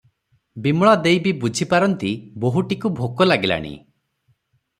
ବିମଳା ଦେଈ ବି ବୁଝି ପାରନ୍ତି ବୋହୂଟିକୁ ଭୋକ ଲାଗିଲାଣି ।